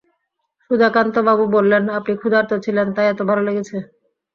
সুধাকান্তবাবু বললেন, আপনি ক্ষুধার্ত ছিলেন, তাই এত ভালো লেগেছে।